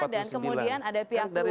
empat puluh dua dan kemudian ada pihak luar